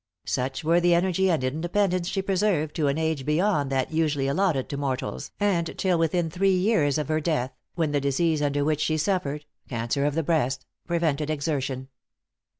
Such were the energy and independence she preserved to an age beyond that usually allotted to mortals, and, till within three years other death, when the disease under which she suffered (cancer of the breast), prevented exertion.